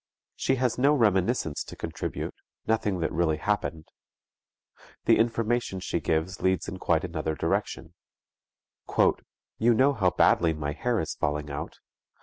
_" She has no reminiscence to contribute, nothing that really happened. The information she gives leads in quite another direction. "You know how badly my hair is falling out.